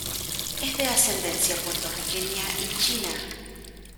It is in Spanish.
Es de ascendencia puertorriqueña y china.